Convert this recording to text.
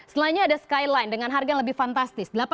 setelahnya ada skyline dengan harga yang lebih fantastis